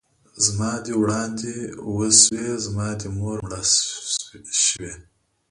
ـ زما دې وړاندې وشوې ، زما دې مور مېړه شوې.